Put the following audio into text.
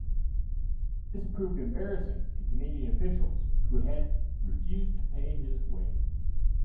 This proved embarrassing to Canadian officials who had refused to pay his way.